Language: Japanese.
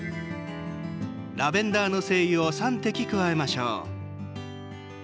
ラベンダーの精油を３滴、加えましょう。